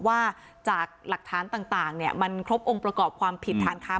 ว่าจากหลักฐานต่างมันครบองค์ประกอบความผิดฐานค้าง